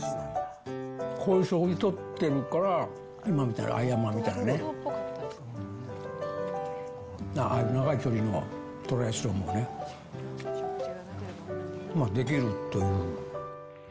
こういう食事をとってるから、今みたいな、アイアンマンみたいなね、長い距離のトライアスロンもね、できるという。